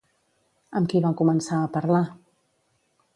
Amb qui va començar a parlar?